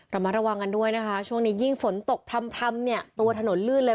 ระมัดระวังกันด้วยนะคะช่วงนี้ยิ่งฝนตกพร่ำเนี่ยตัวถนนลื่นเลย